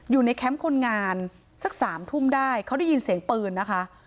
แคมป์คนงานสักสามทุ่มได้เขาได้ยินเสียงปืนนะคะ